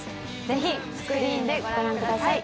ぜひスクリーンでご覧ください。